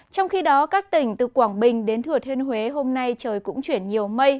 trong khi đó các tỉnh từ quảng bình đến thừa thiên huế hôm nay trời cũng chuyển nhiều mây